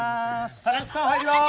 タレントさん入ります。